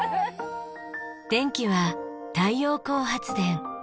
電気は太陽光発電。